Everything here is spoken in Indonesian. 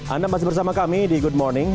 anda masih bersama kami di good morning